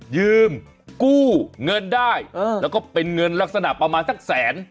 ยืมกู้เงินได้แล้วก็เป็นเงินลักษณะประมาณสักแสน